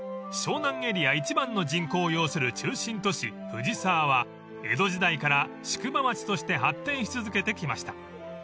［湘南エリア一番の人口を擁する中心都市藤沢は江戸時代から宿場町として発展し続けてきました］